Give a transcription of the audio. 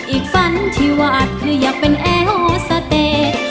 อีกฝันที่วาดคืออยากเป็นแอร์โฮสเตจ